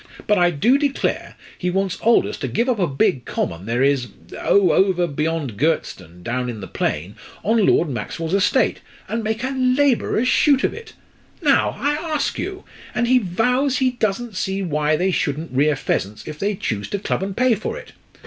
But I do declare he wants Aldous to give up a big common there is oh! over beyond Girtstone, down in the plain on Lord Maxwell's estate, and make a labourers' shoot of it! Now, I ask you! And he vows he doesn't see why they shouldn't rear pheasants if they choose to club and pay for it.